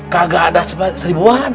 kagak ada seribuan